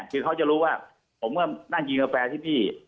คือเขาจะรู้ว่าผมก็นั่งกินกาแฟที่พี่